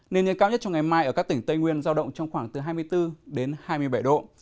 nền nhiệt cao nhất trong ngày mai ở các tỉnh tây nguyên giao động trong khoảng từ hai mươi bốn hai mươi bảy độ